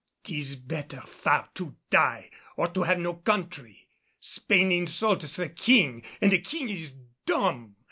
"'Tis better far to die, or to have no country. Spain insults the King and the King is dumb.